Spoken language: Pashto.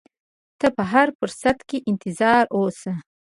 ته په هر فرصت کې انتظار اوسه.